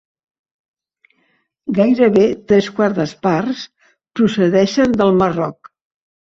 Gairebé tres quartes parts procedeixen del Marroc.